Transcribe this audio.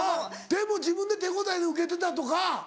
でも自分で手応えウケてたとか。